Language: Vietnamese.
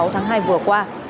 hai mươi sáu tháng hai vừa qua